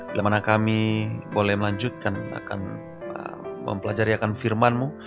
di mana kami boleh melanjutkan akan mempelajariakan firman mu